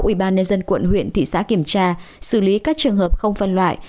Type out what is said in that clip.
ubnd quận huyện thị xã kiểm tra xử lý các trường hợp không phân loại